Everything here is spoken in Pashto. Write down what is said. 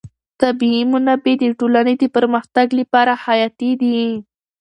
طبیعي منابع د ټولنې د پرمختګ لپاره حیاتي دي.